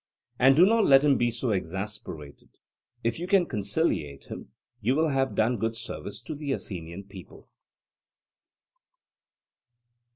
And do not let him be so exasperated; if you can conciliate him, you will have done good service to the Athenian people.